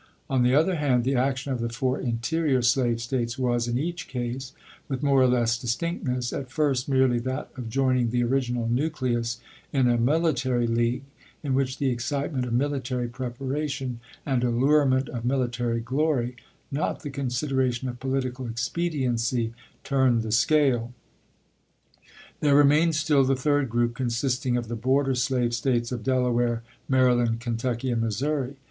On the other hand, the action of the foui' interior slave States was, in each case, with more or less distinct ness, at first merely that of joining the original nucleus in a military league, in which the excite ment of military preparation and allurement of military glory, not the consideration of political expediency, turned the scale. There remained still the third group, consisting of the border slave States of Delaware, Maryland, Kentucky, and Missouri.